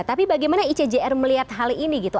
tapi bagaimana icjr melihat hal ini gitu